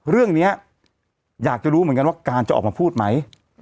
เรื่องนี้อยากจะรู้เหมือนกันว่าการจะออกมาพูดไหม